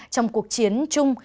trong cuộc chiến chung